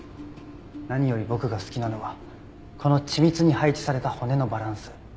何より僕が好きなのはこの緻密に配置された骨のバランス。